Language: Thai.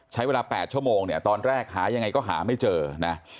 ใช้เวลา๘ชั่วโมงเนี่ยตอนแรกหายังไงก็หาไม่เจอนะ